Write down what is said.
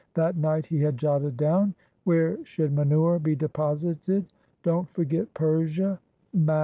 That night he had jotted down: "Where should manure be deposited? Don't forget Persia — mats."